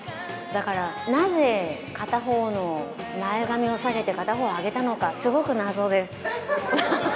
だから、なぜ片方の前髪を下げて、片方を上げたのか、すごく謎です。